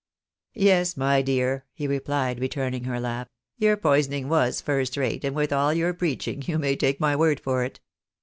" Yes, my dear," he replied, returning her laugh :" your poisoning was first rate, and worth aU your preaching, you may take my word for it.